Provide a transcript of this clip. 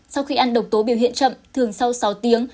sau khi ăn độc tố biểu hiện chậm thường sau sáu tiếng